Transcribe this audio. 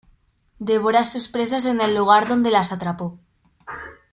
Devora sus presas en el lugar donde las atrapó.